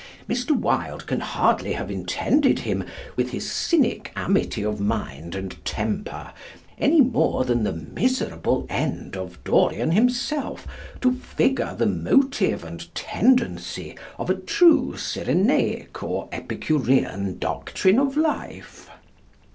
Mr. Wilde can hardly have intended him, with his cynic amity of mind and temper, any more than the miserable end of Dorian himself, to figure the motive and tendency of a true Cyrenaic or Epicurean doctrine of life.